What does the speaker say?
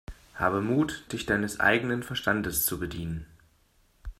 Habe Mut, dich deines eigenen Verstandes zu bedienen!